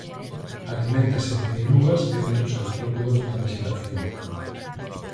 Aliméntase de eirugas e outros artrópodos da vexetación.